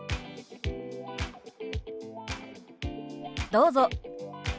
どうぞ。